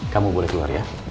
kamu boleh keluar ya